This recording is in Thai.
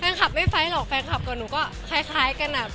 ขับไม่ไฟล์หรอกแฟนคลับกับหนูก็คล้ายกันอะ